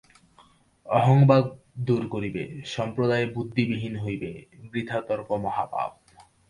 অহংভাব দূর করিবে, সম্প্রদায়-বুদ্ধিবিহীন হইবে, বৃথা তর্ক মহাপাপ।